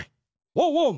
ワンワン！